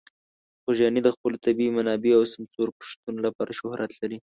خوږیاڼي د خپلو طبیعي منابعو او سمسور کښتونو لپاره شهرت لري.